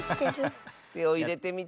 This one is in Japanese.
てをいれてみて。